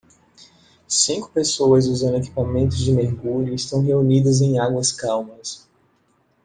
Cinco pessoas usando equipamentos de mergulho estão reunidas em águas calmas.